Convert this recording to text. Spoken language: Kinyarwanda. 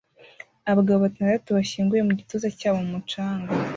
Abagabo batandatu bashyinguwe mu gituza cyabo mu mucanga